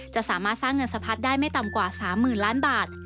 จะสามารถสร้างเงินสะพัดได้ไม่ต่ำกว่า๓๐๐๐ล้านบาท